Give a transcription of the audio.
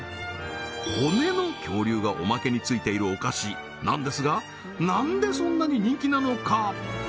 ほねの恐竜がおまけに付いているお菓子なんですが何でそんなに人気なのか？